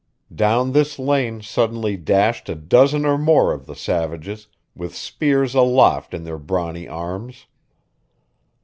Down this lane suddenly dashed a dozen or more of the savages, with spears aloft in their brawny arms.